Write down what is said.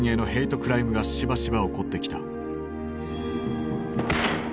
クライムがしばしば起こってきた。